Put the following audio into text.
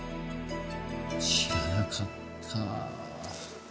知らなかった。